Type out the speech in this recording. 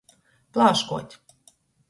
Plāškuot.